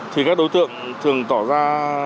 thì các đối tượng thường tỏ ra